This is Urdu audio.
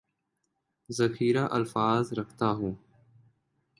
ذخیرہ الفاظ رکھتا ہوں